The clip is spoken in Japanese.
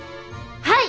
はい！